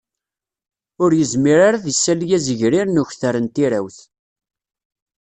Ur yezmir ara ad d-isali azegrir n ukter n tirawt